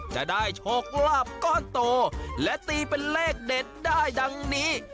จะได้โชคลาภก้อนโตและตีเป็นเลขเด็ดได้ดังนี้